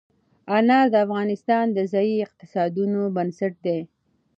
انار د افغانستان د ځایي اقتصادونو بنسټ دی.